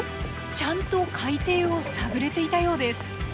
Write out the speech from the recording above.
ちゃんと海底を探れていたようです！